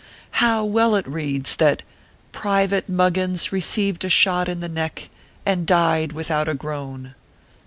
How well it reads, that Private Muggins received a shot in the neck and died without a groan!